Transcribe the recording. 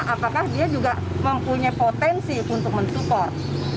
apakah dia juga mempunyai potensi untuk mensupport